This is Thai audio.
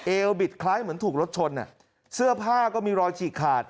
บิดคล้ายเหมือนถูกรถชนเสื้อผ้าก็มีรอยฉีกขาด